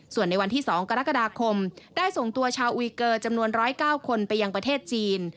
ส่วนในวันที่๒กรกฎาคมได้ส่งตัวชาวอุยเกอร์จำนวน๑๐๙คนไปยังประเทศจีน